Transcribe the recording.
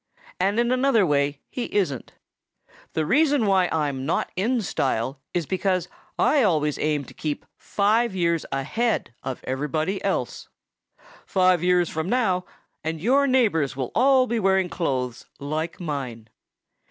And in another way he isn't. The reason why I'm not in style is because I always aim to keep five years ahead of everybody else. "Five years from now and your neighbors will all be wearing clothes like mine."